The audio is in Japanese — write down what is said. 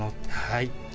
はい。